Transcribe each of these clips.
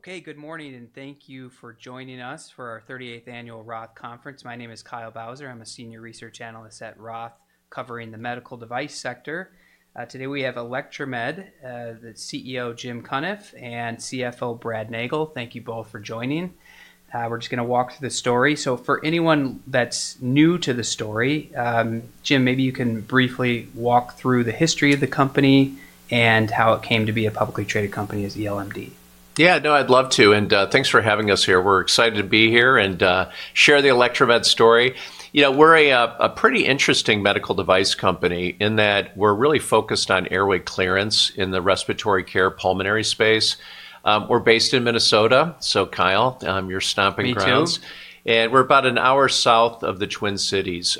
Okay, good morning, and thank you for joining us for our 38th Annual ROTH Conference. My name is Kyle Bauser. I'm a Senior Research Analyst at ROTH, covering the medical device sector. Today we have Electromed, the CEO, Jim Cunniff, and CFO, Brad Nagel. Thank you both for joining. We're just gonna walk through the story. For anyone that's new to the story, Jim, maybe you can briefly walk through the history of the company and how it came to be a publicly traded company as ELMD. Yeah, no, I'd love to, and thanks for having us here. We're excited to be here and share the Electromed story. You know, we're a pretty interesting medical device company in that we're really focused on airway clearance in the respiratory care pulmonary space. We're based in Minnesota, so Kyle, your stomping grounds. Me too. We're about an hour south of the Twin Cities.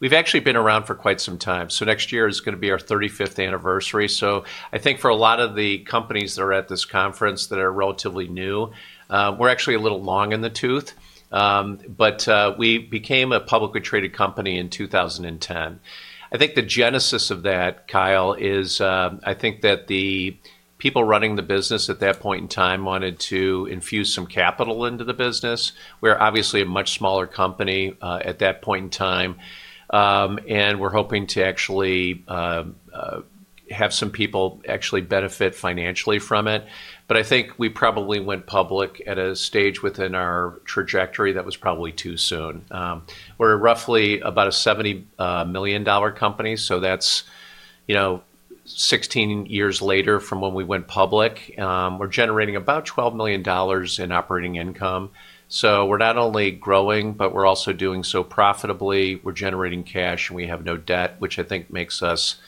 We've actually been around for quite some time, so next year is gonna be our 35th anniversary. I think for a lot of the companies that are at this conference that are relatively new, we're actually a little long in the tooth. We became a publicly traded company in 2010. I think the genesis of that, Kyle, is, I think that the people running the business at that point in time wanted to infuse some capital into the business. We were obviously a much smaller company at that point in time and were hoping to actually have some people actually benefit financially from it. I think we probably went public at a stage within our trajectory that was probably too soon. We're roughly about a $70 million company, so that's, you know, 16 years later from when we went public. We're generating about $12 million in operating income. We're not only growing, but we're also doing so profitably. We're generating cash, and we have no debt, which I think makes us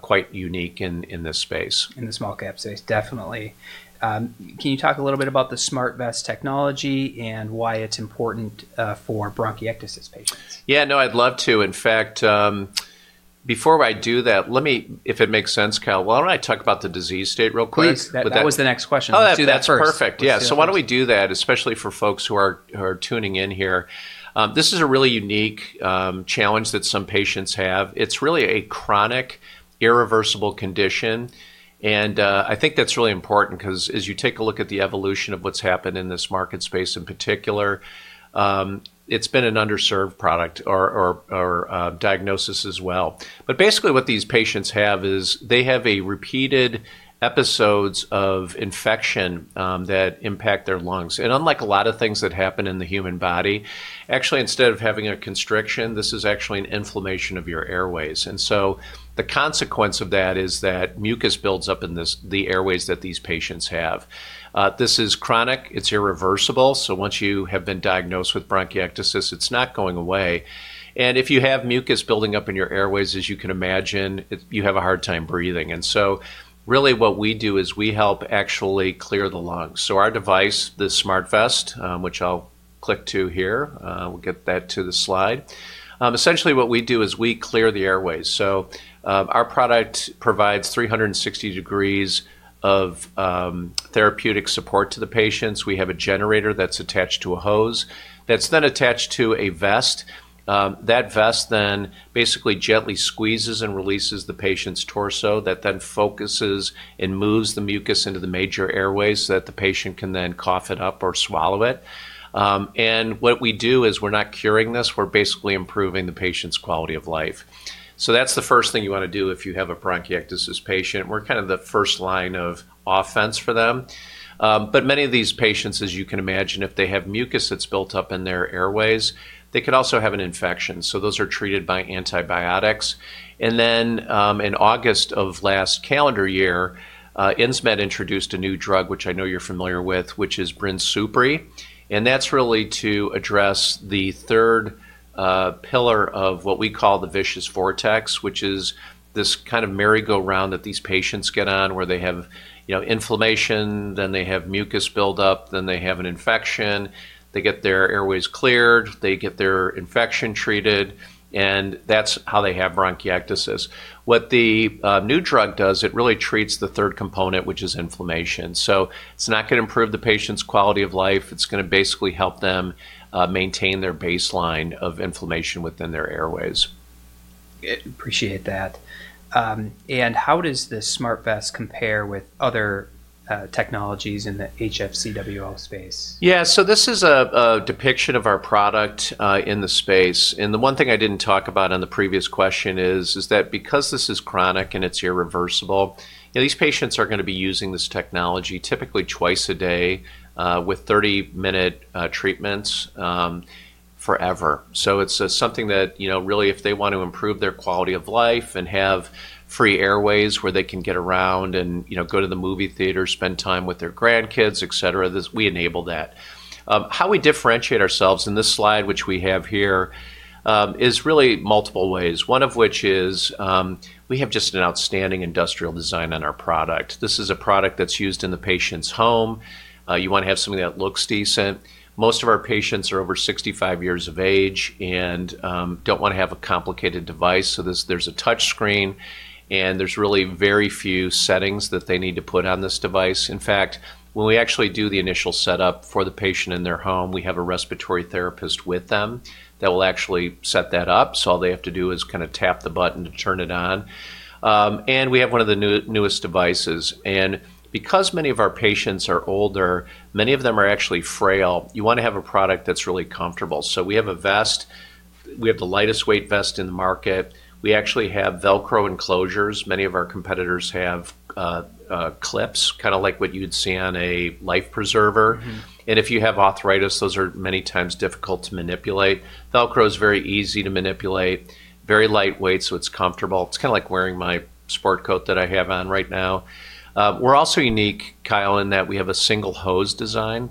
quite unique in this space. In the small cap space, definitely. Can you talk a little bit about the SmartVest technology and why it's important for bronchiectasis patients? Yeah, no, I'd love to. In fact, before I do that, let me, if it makes sense, Kyle, why don't I talk about the disease state real quick? Please. That was the next question. Oh, that's perfect. Let's do that first. Yeah. Why don't we do that, especially for folks who are tuning in here. This is a really unique challenge that some patients have. It's really a chronic irreversible condition, and I think that's really important 'cause as you take a look at the evolution of what's happened in this market space in particular, it's been an underserved product or diagnosis as well. Basically what these patients have is they have a repeated episodes of infection that impact their lungs. Unlike a lot of things that happen in the human body, actually, instead of having a constriction, this is actually an inflammation of your airways. The consequence of that is that mucus builds up in the airways that these patients have. This is chronic, it's irreversible, so once you have been diagnosed with bronchiectasis, it's not going away. If you have mucus building up in your airways, as you can imagine, it, you have a hard time breathing. Really what we do is we help actually clear the lungs. Our device, the SmartVest, which I'll click to here, we'll get that to the slide. Essentially what we do is we clear the airways. Our product provides 360 degrees of therapeutic support to the patients. We have a generator that's attached to a hose that's then attached to a vest. That vest then basically gently squeezes and releases the patient's torso that then focuses and moves the mucus into the major airways so that the patient can then cough it up or swallow it. What we do is we're not curing this. We're basically improving the patient's quality of life. That's the first thing you wanna do if you have a bronchiectasis patient. We're kind of the first line of offense for them. Many of these patients, as you can imagine, if they have mucus that's built up in their airways, they could also have an infection, so those are treated by antibiotics. In August of last calendar year, Insmed introduced a new drug, which I know you're familiar with, which is BRINSUPRI, and that's really to address the third pillar of what we call the vicious vortex, which is this kind of merry-go-round that these patients get on where they have, you know, inflammation, then they have mucus build-up, then they have an infection. They get their airways cleared, they get their infection treated, and that's how they have bronchiectasis. What the new drug does, it really treats the third component, which is inflammation. It's not gonna improve the patient's quality of life. It's gonna basically help them maintain their baseline of inflammation within their airways. Appreciate that. How does this SmartVest compare with other technologies in the HFCWO space? Yeah. This is a depiction of our product in the space, and the one thing I didn't talk about on the previous question is that because this is chronic and it's irreversible, these patients are gonna be using this technology typically twice a day with 30-minute treatments forever. It's something that really if they want to improve their quality of life and have free airways where they can get around and go to the movie theater, spend time with their grandkids, et cetera, this, we enable that. How we differentiate ourselves in this slide, which we have here, is really multiple ways. One of which is we have just an outstanding industrial design on our product. This is a product that's used in the patient's home. You wanna have something that looks decent. Most of our patients are over 65 years of age and don't wanna have a complicated device, so there's a touch screen, and there's really very few settings that they need to put on this device. In fact, when we actually do the initial setup for the patient in their home, we have a respiratory therapist with them that will actually set that up. So all they have to do is kinda tap the button to turn it on. We have one of the newest devices, and because many of our patients are older, many of them are actually frail. You wanna have a product that's really comfortable. So we have a vest. We have the lightest weight vest in the market. We actually have Velcro enclosures. Many of our competitors have clips, kinda like what you would see on a life preserver. Mm-hmm. If you have arthritis, those are many times difficult to manipulate. Velcro is very easy to manipulate, very lightweight, so it's comfortable. It's kinda like wearing my sport coat that I have on right now. We're also unique, Kyle, in that we have a single hose design.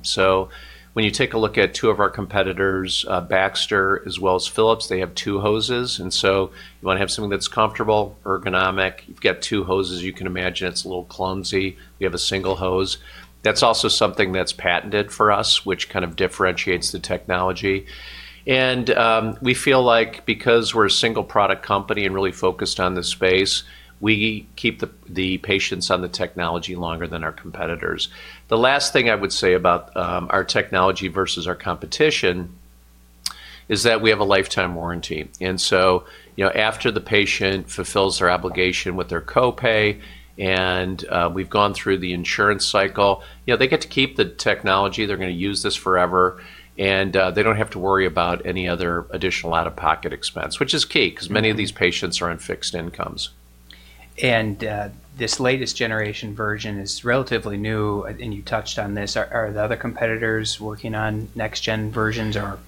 When you take a look at two of our competitors, Baxter as well as Philips, they have two hoses, and so you wanna have something that's comfortable, ergonomic. You've got two hoses, you can imagine it's a little clumsy. We have a single hose. That's also something that's patented for us, which kind of differentiates the technology. We feel like because we're a single product company and really focused on this space, we keep the patients on the technology longer than our competitors. The last thing I would say about our technology versus our competition is that we have a lifetime warranty. After the patient fulfills their obligation with their copay, and we've gone through the insurance cycle they get to keep the technology, they're gonna use this forever, and they don't have to worry about any other additional out-of-pocket expense, which is key. Mm-hmm 'Cause many of these patients are on fixed incomes. This latest generation version is relatively new, and you touched on this. Are the other competitors working on next gen versions or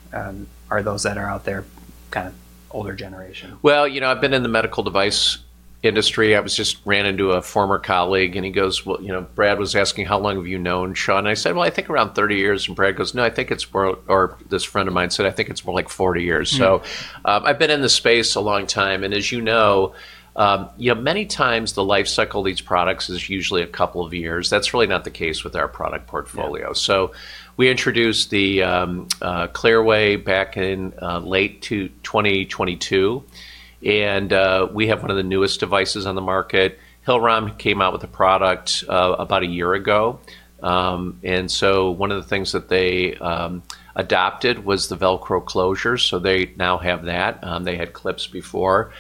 are those that are out there kind of older generation? Well, I've been in the medical device industry. I just ran into a former colleague, and he goes, "Well, Brad was asking how long have you known Sean?" I said, "Well, I think around 30 years." Brad goes, "No, I think it's more..." This friend of mine said, "I think it's more like 40 years. Mm. I've been in this space a long time, and as you know many times the life cycle of these products is usually a couple of years. That's really not the case with our product portfolio. Yeah. We introduced the Clearway back in late 2022, and we have one of the newest devices on the market. Hillrom came out with a product about a year ago, and so one of the things that they adopted was the Velcro closure, so they now have that. They had clips before.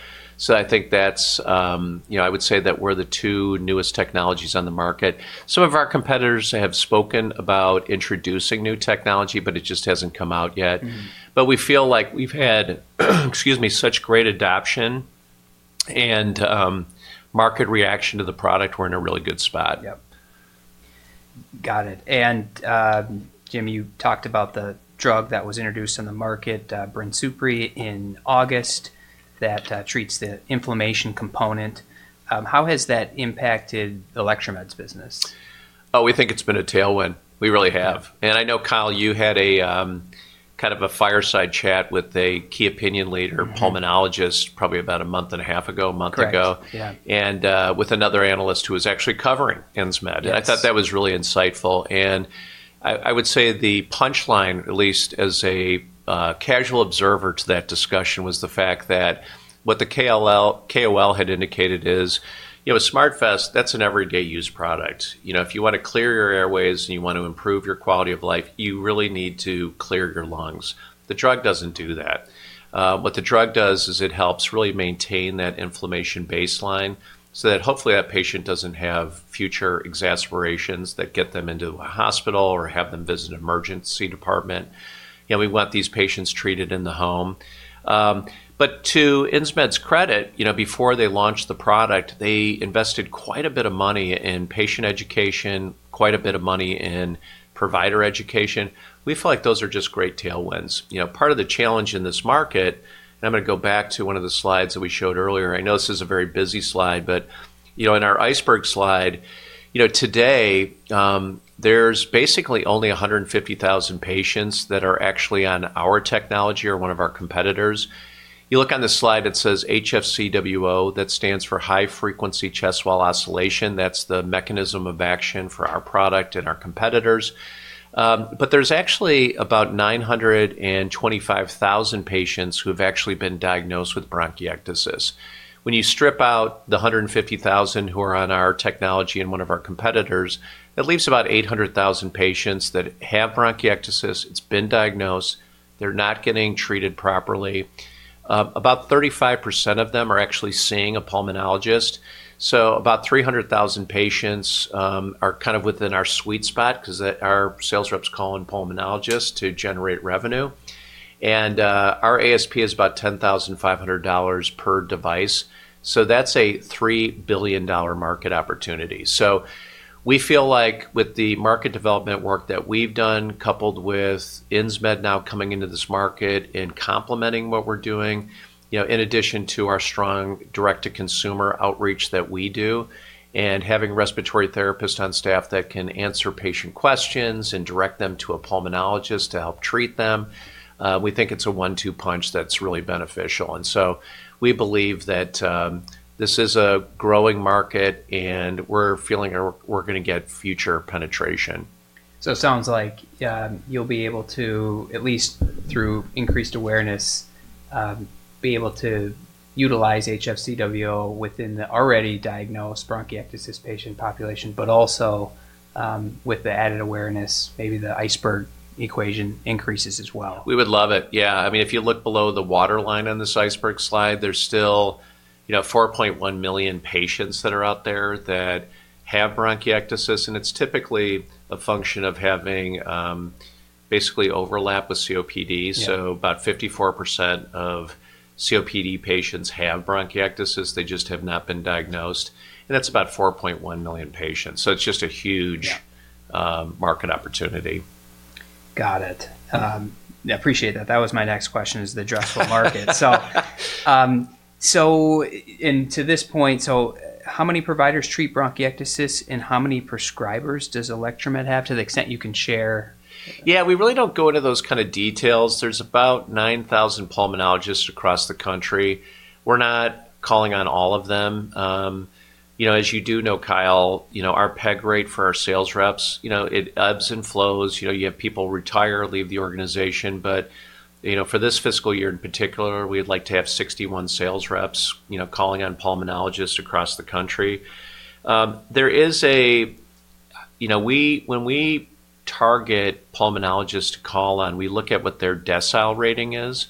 I think that's, I would say that we're the two newest technologies on the market. Some of our competitors have spoken about introducing new technology, but it just hasn't come out yet. Mm-hmm. We feel like we've had, excuse me, such great adoption and market reaction to the product. We're in a really good spot. Yep. Got it. Jim, you talked about the drug that was introduced in the market, BRINSUPRI, in August that treats the inflammation component. How has that impacted Electromed's business? Oh, we think it's been a tailwind. We really have. I know, Kyle, you had a kind of a fireside chat with a key opinion leader. Mm-hmm Pulmonologist probably about a month and a half ago, a month ago. Correct. Yeah. With another analyst who was actually covering Insmed. Yes. I thought that was really insightful. I would say the punchline, at least as a casual observer to that discussion, was the fact that what the KOL had indicated is a SmartVest, that's an everyday use product. If you wanna clear your airways and you want to improve your quality of life, you really need to clear your lungs. The drug doesn't do that. What the drug does is it helps really maintain that inflammation baseline so that hopefully that patient doesn't have future exacerbations that get them into a hospital or have them visit an emergency department. We want these patients treated in the home. But to Insmed's credit, you know, before they launched the product, they invested quite a bit of money in patient education, quite a bit of money in provider education. We feel like those are just great tailwinds. Part of the challenge in this market, and I'm gonna go back to one of the slides that we showed earlier. I know this is a very busy slide, but, you know, in our iceberg slide, you know, today, there's basically only 150,000 patients that are actually on our technology or one of our competitors. You look on this slide, it says HFCWO, that stands for high-frequency chest wall oscillation. That's the mechanism of action for our product and our competitors. But there's actually about 925,000 patients who have actually been diagnosed with bronchiectasis. When you strip out the 150,000 who are on our technology and one of our competitors, that leaves about 800,000 patients that have bronchiectasis. It's been diagnosed. They're not getting treated properly. About 35% of them are actually seeing a pulmonologist. About 300,000 patients are kind of within our sweet spot 'cause our sales reps calling pulmonologists to generate revenue. Our ASP is about $10,500 per device. That's a $3 billion market opportunity. We feel like with the market development work that we've done, coupled with Insmed now coming into this market and complementing what we're doing, you know, in addition to our strong direct to consumer outreach that we do, and having respiratory therapists on staff that can answer patient questions and direct them to a pulmonologist to help treat them, we think it's a one-two punch that's really beneficial. We believe that this is a growing market, and we're feeling we're gonna get future penetration. It sounds like you'll be able to at least through increased awareness be able to utilize HFCWO within the already diagnosed bronchiectasis patient population, but also with the added awareness, maybe the iceberg equation increases as well. We would love it. Yeah. I mean, if you look below the waterline on this iceberg slide, there's still, you know, 4.1 million patients that are out there that have bronchiectasis, and it's typically a function of having basically overlap with COPD. Yeah. About 54% of COPD patients have bronchiectasis. They just have not been diagnosed, and that's about 4.1 million patients. It's just a huge market opportunity. Got it. I appreciate that. That was my next question, is the addressable market. And to this point, how many providers treat bronchiectasis, and how many prescribers does Electromed have to the extent you can share? Yeah, we really don't go into those kind of details. There's about 9,000 pulmonologists across the country. We're not calling on all of them. You know, as you do know, Kyle, you know, our PEG rate for our sales reps, you know, it ebbs and flows. You know, you have people retire, leave the organization, but you know, for this fiscal year in particular, we'd like to have 61 sales reps, you know, calling on pulmonologists across the country. You know, we when we target pulmonologists to call on, we look at what their decile rating is.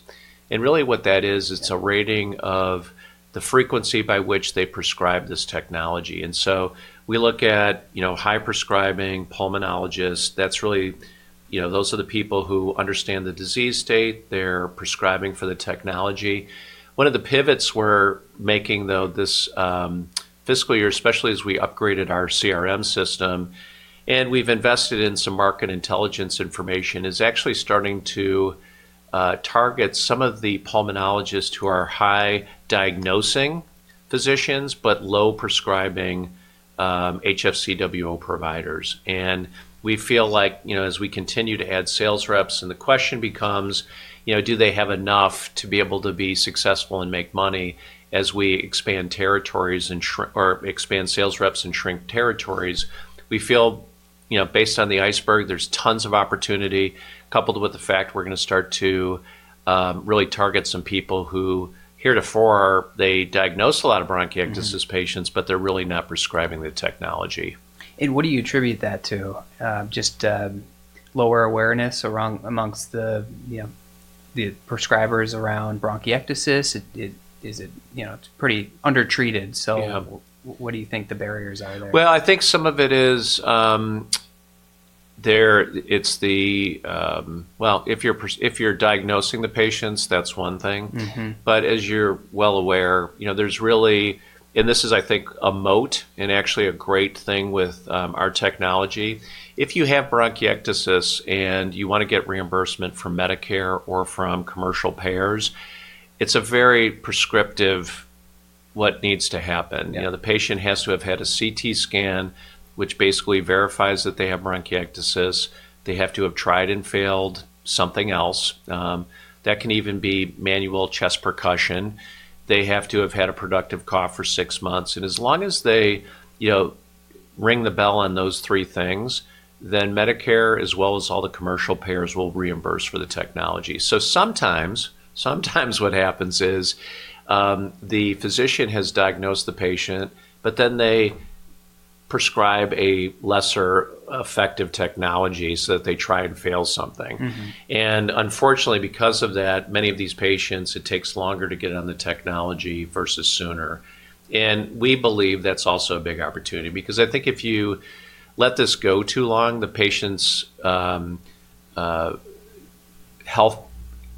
Really what that is, it's a rating of the frequency by which they prescribe this technology. We look at, you know, high prescribing pulmonologists. That's really, you know, those are the people who understand the disease state. They're prescribing for the technology. One of the pivots we're making though this fiscal year, especially as we upgraded our CRM system, and we've invested in some market intelligence information, is actually starting to target some of the pulmonologists who are high diagnosing physicians, but low prescribing HFCWO providers. We feel like, you know, as we continue to add sales reps and the question becomes, you know, do they have enough to be able to be successful and make money as we expand sales reps and shrink territories? We feel, you know, based on the iceberg, there's tons of opportunity coupled with the fact we're gonna start to really target some people who heretofore they diagnose a lot of bronchiectasis patients, but they're really not prescribing the technology. What do you attribute that to? Just lower awareness amongst the, you know, the prescribers around bronchiectasis? Is it, you know, it's pretty undertreated? Yeah. What do you think the barriers are there? Well, I think some of it is. Well, if you're diagnosing the patients, that's one thing. Mm-hmm. As you're well aware, you know, there's really and this is I think a moat and actually a great thing with our technology. If you have bronchiectasis and you wanna get reimbursement from Medicare or from commercial payers, it's a very prescriptive what needs to happen. Yeah. You know, the patient has to have had a CT scan, which basically verifies that they have bronchiectasis. They have to have tried and failed something else, that can even be manual chest percussion. They have to have had a productive cough for six months. And as long as they, you know, ring the bell on those three things, then Medicare, as well as all the commercial payers, will reimburse for the technology. Sometimes what happens is, the physician has diagnosed the patient, but then they prescribe a lesser effective technology so that they try and fail something. Mm-hmm. Unfortunately, because of that, many of these patients, it takes longer to get on the technology versus sooner. We believe that's also a big opportunity because I think if you let this go too long, the patient's health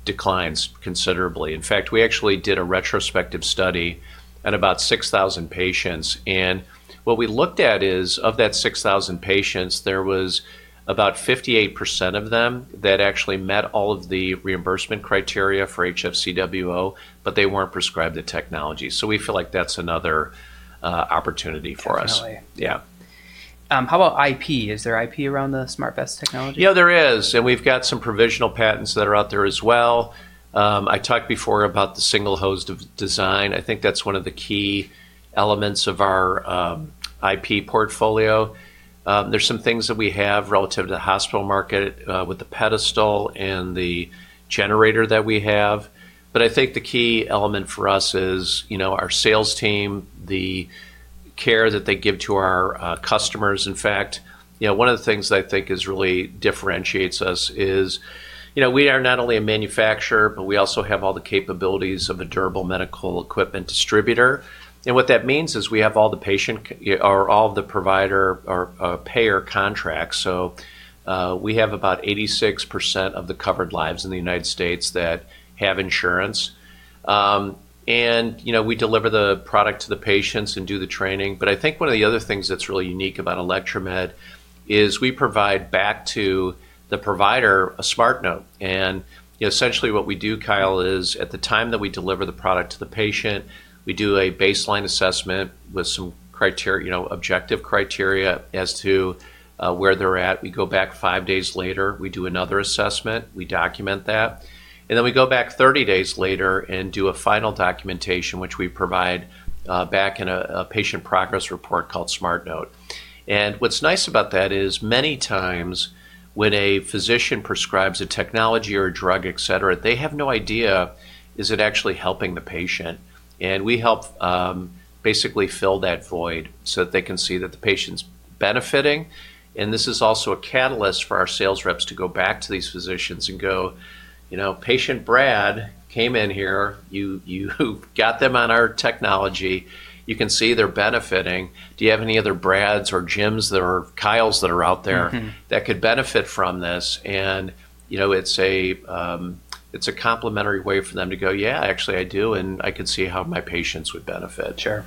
declines considerably. In fact, we actually did a retrospective study at about 6,000 patients, and what we looked at is of that 6,000 patients, there was about 58% of them that actually met all of the reimbursement criteria for HFCWO, but they weren't prescribed the technology. We feel like that's another opportunity for us. Definitely. Yeah. How about IP? Is there IP around the SmartVest technology? Yeah, there is, and we've got some provisional patents that are out there as well. I talked before about the single-hose design. I think that's one of the key elements of our IP portfolio. There's some things that we have relative to the hospital market with the pedestal and the generator that we have. I think the key element for us is, you know, our sales team, the care that they give to our customers. In fact, you know, one of the things I think is really differentiates us is, you know, we are not only a manufacturer, but we also have all the capabilities of a durable medical equipment distributor. What that means is we have all the provider or payer contracts. We have about 86% of the covered lives in the United States that have insurance. You know, we deliver the product to the patients and do the training. I think one of the other things that's really unique about Electromed is we provide back to the provider a SmartNote. You know, essentially what we do, Kyle, is at the time that we deliver the product to the patient, we do a baseline assessment with some criteria, you know, objective criteria as to where they're at. We go back five days later, we do another assessment. We document that, and then we go back 30 days later and do a final documentation, which we provide back in a patient progress report called SmartNote. What's nice about that is many times when a physician prescribes a technology or a drug, et cetera, they have no idea is it actually helping the patient. We help basically fill that void so that they can see that the patient's benefiting. This is also a catalyst for our sales reps to go back to these physicians and go, "You know, patient Brad came in here. You got them on our technology. You can see they're benefiting. Do you have any other Brads or Jims that are Kyles that are out there? Mm-hmm that could benefit from this? You know, it's a complimentary way for them to go, "Yeah, actually I do, and I could see how my patients would benefit. Sure.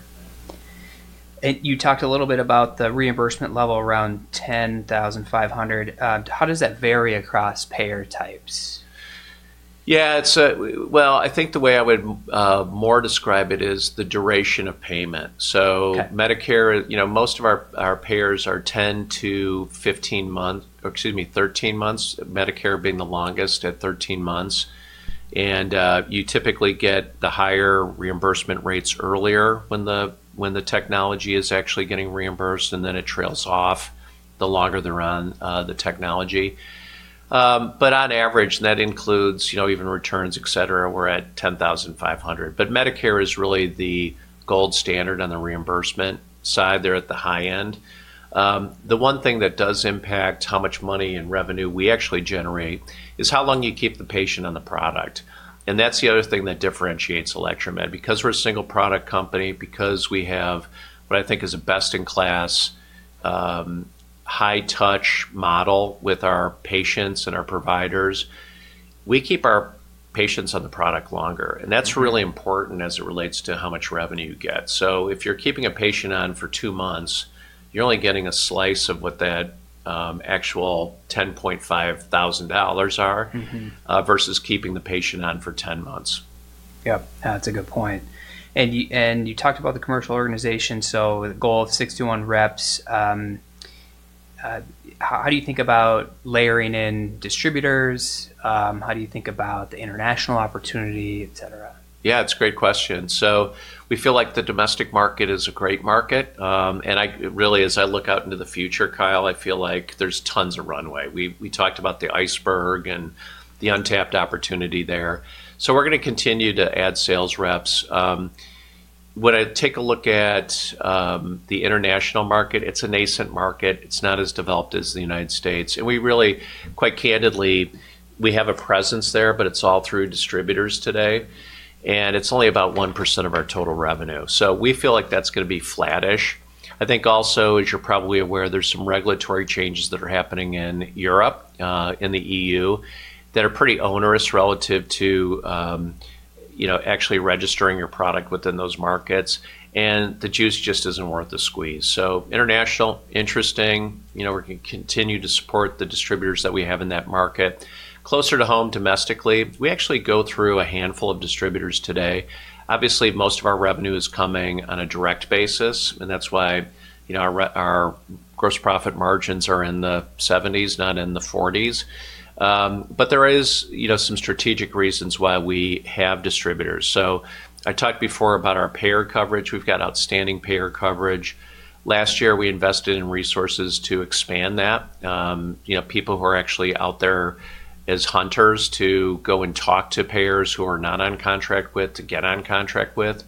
You talked a little bit about the reimbursement level around $10,500. How does that vary across payer types? Well, I think the way I would more describe it is the duration of payment. Okay. Medicare, you know, most of our payers are 10 to 15 months, or excuse me, 13 months, Medicare being the longest at 13 months. You typically get the higher reimbursement rates earlier when the technology is actually getting reimbursed, and then it trails off the longer they're on the technology. On average, that includes, you know, even returns, et cetera, we're at $10,500. Medicare is really the gold standard on the reimbursement side. They're at the high end. The one thing that does impact how much money and revenue we actually generate is how long you keep the patient on the product, and that's the other thing that differentiates Electromed. Because we're a single product company, because we have what I think is a best-in-class high touch model with our patients and our providers, we keep our patients on the product longer, and that's really important as it relates to how much revenue you get. If you're keeping a patient on for two months, you're only getting a slice of what that actual $10,500 are versus keeping the patient on for 10 months. Yep. That's a good point. You talked about the commercial organization, so the goal of 61 reps. How do you think about layering in distributors? How do you think about the international opportunity, et cetera? Yeah, it's a great question. We feel like the domestic market is a great market. Really, as I look out into the future, Kyle, I feel like there's tons of runway. We talked about the iceberg and the untapped opportunity there. We're gonna continue to add sales reps. When I take a look at the international market, it's a nascent market. It's not as developed as the United States. We really, quite candidly, have a presence there, but it's all through distributors today, and it's only about 1% of our total revenue. We feel like that's gonna be flattish. I think also, as you're probably aware, there's some regulatory changes that are happening in Europe, in the EU, that are pretty onerous relative to, you know, actually registering your product within those markets, and the juice just isn't worth the squeeze. International, interesting. You know, we're gonna continue to support the distributors that we have in that market. Closer to home, domestically, we actually go through a handful of distributors today. Obviously, most of our revenue is coming on a direct basis, and that's why, you know, our gross profit margins are in the 70s, not in the 40s. There is, you know, some strategic reasons why we have distributors. I talked before about our payer coverage. We've got outstanding payer coverage. Last year, we invested in resources to expand that. You know, people who are actually out there as hunters to go and talk to payers who are not on contract with to get on contract with.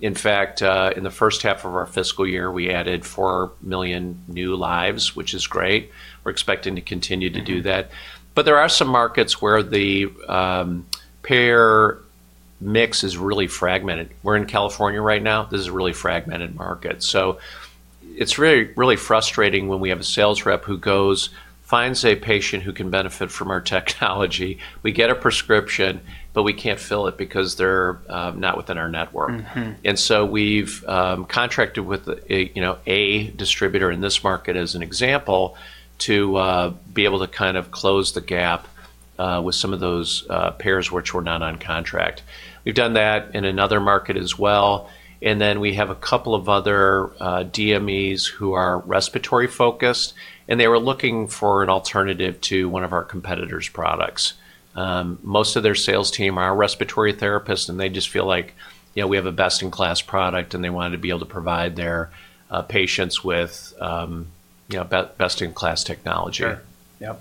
In fact, in the first half of our fiscal year, we added 4 million new lives, which is great. We're expecting to continue to do that. There are some markets where the payer mix is really fragmented. We're in California right now. This is a really fragmented market. It's really frustrating when we have a sales rep who goes, finds a patient who can benefit from our technology, we get a prescription, but we can't fill it because they're not within our network. Mm-hmm. We've contracted with a, you know, a distributor in this market as an example, to be able to kind of close the gap with some of those payers which were not on contract. We've done that in another market as well, and then we have a couple of other DMEs who are respiratory-focused, and they were looking for an alternative to one of our competitor's products. Most of their sales team are respiratory therapists, and they just feel like, you know, we have a best-in-class product and they wanted to be able to provide their patients with, you know, best-in-class technology. Sure. Yep.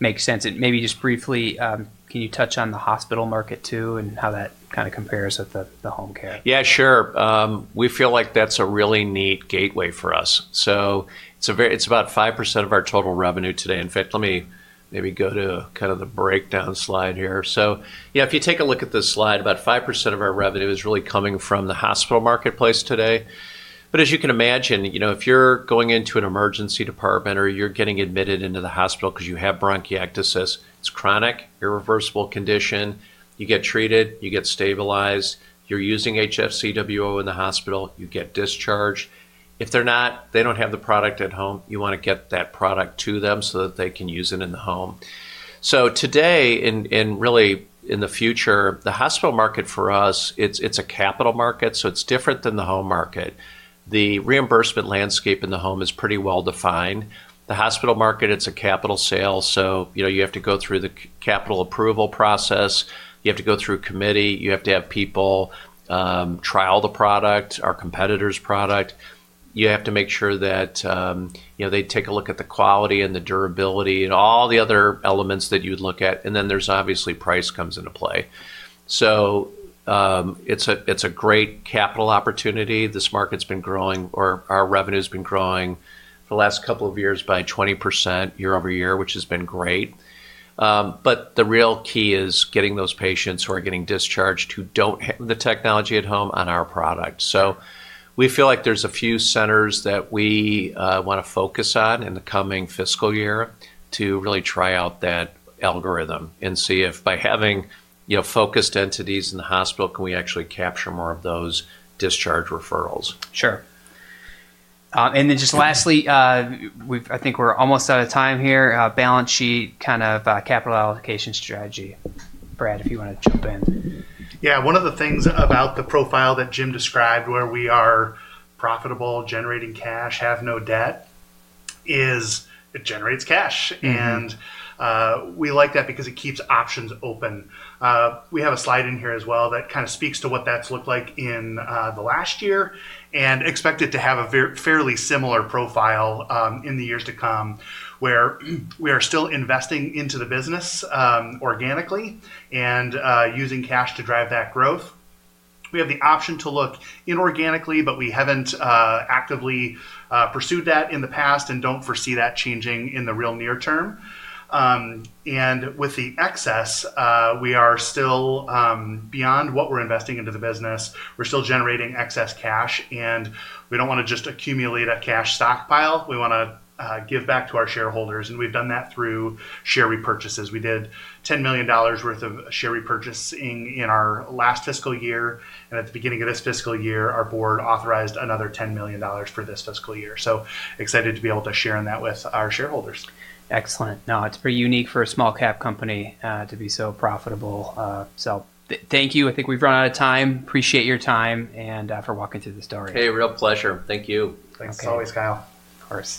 Makes sense. Maybe just briefly, can you touch on the hospital market too, and how that kinda compares with the home care? Yeah, sure. We feel like that's a really neat gateway for us. It's about 5% of our total revenue today. In fact, let me maybe go to kind of the breakdown slide here. Yeah, if you take a look at this slide, about 5% of our revenue is really coming from the hospital marketplace today. But as you can imagine, you know, if you're going into an emergency department or you're getting admitted into the hospital because you have bronchiectasis, it's a chronic, irreversible condition. You get treated, you get stabilized. You're using HFCWO in the hospital, you get discharged. If they're not, they don't have the product at home, you wanna get that product to them so that they can use it in the home. Today and really in the future, the hospital market for us, it's a capital market, so it's different than the home market. The reimbursement landscape in the home is pretty well defined. The hospital market, it's a capital sale, so you know, you have to go through the capital approval process. You have to go through a committee. You have to have people trial the product, our competitor's product. You have to make sure that you know, they take a look at the quality and the durability and all the other elements that you'd look at, and then there's obviously price comes into play. It's a great capital opportunity. This market's been growing, or our revenue's been growing for the last couple of years by 20% year-over-year, which has been great. The real key is getting those patients who are getting discharged who don't have the technology at home on our product. We feel like there's a few centers that we wanna focus on in the coming fiscal year to really try out that algorithm and see if by having, you know, focused entities in the hospital, can we actually capture more of those discharge referrals? Sure. Just lastly, I think we're almost out of time here. Balance sheet, kind of, capital allocation strategy. Brad, if you wanna jump in. Yeah. One of the things about the profile that Jim described, where we are profitable, generating cash, have no debt, is that it generates cash. Mm-hmm. We like that because it keeps options open. We have a slide in here as well that kinda speaks to what that's looked like in the last year and expect it to have a fairly similar profile in the years to come, where we are still investing into the business organically and using cash to drive that growth. We have the option to look inorganically, but we haven't actively pursued that in the past and don't foresee that changing in the real near term. With the excess, we are still beyond what we're investing into the business. We're still generating excess cash, and we don't wanna just accumulate a cash stockpile. We wanna give back to our shareholders, and we've done that through share repurchases. We did $10 million worth of share repurchasing in our last fiscal year, and at the beginning of this fiscal year, our board authorized another $10 million for this fiscal year. Excited to be able to share in that with our shareholders. Excellent. No, it's pretty unique for a small cap company to be so profitable. Thank you. I think we've run out of time. I appreciate your time and for walking through the story. Hey, real pleasure. Thank you. Thanks as always, Kyle. Of course.